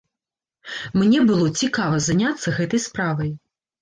Мне было цікава заняцца гэтай справай.